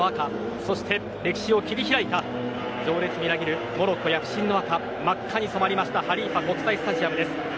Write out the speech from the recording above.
そして、歴史を切り開いた情熱みなぎるモロッコ躍進の赤真っ赤に染まりましたハリーファ国際スタジアムです。